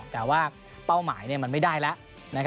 แต่ว่าเป้าหมายมันไม่ได้แล้ว